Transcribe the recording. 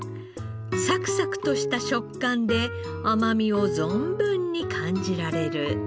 サクサクとした食感で甘みを存分に感じられる天ぷら。